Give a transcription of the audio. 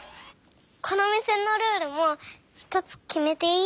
このおみせのルールもひとつきめていい？